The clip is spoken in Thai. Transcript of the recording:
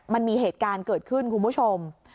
มันมีเหตุการณ์เกิดขึ้นคุณผู้ชม